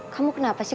kamu kenapa sih